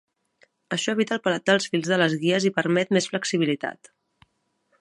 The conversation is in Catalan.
Això evita el pelat dels fils de les guies i permet més flexibilitat.